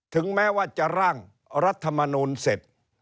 ถึงแม้ว่าจะร่างรัฐมนูลเสร็จ